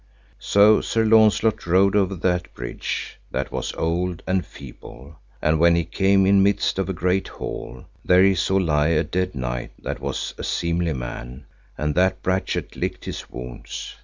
So Sir Launcelot rode over that bridge that was old and feeble; and when he came in midst of a great hall, there he saw lie a dead knight that was a seemly man, and that brachet licked his wounds.